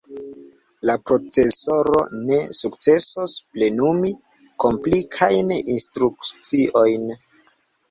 La procesoro ne sukcesos plenumi komplikajn instrukciojn.